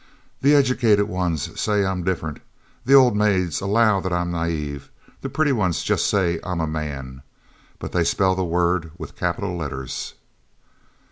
The edyoucated ones say I'm 'different'; the old maids allow that I'm 'naïve'; the pretty ones jest say I'm a 'man,' but they spell the word with capital letters."